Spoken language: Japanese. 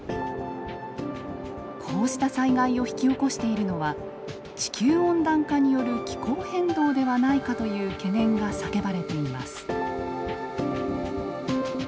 こうした災害を引き起こしているのは地球温暖化による気候変動ではないかという懸念が叫ばれています。